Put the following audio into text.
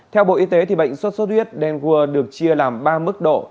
theo bộ y tế bệnh sốt xuất huyết đen vua được chia làm ba mức độ